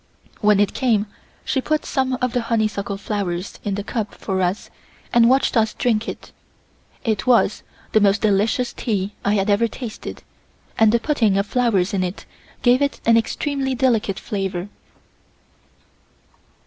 When it came, she put some of the honeysuckle flowers in the cup for us and watched us drink it. It was the most delicious tea I had ever tasted and the putting of flowers in it gave it an extremely delicate flavour.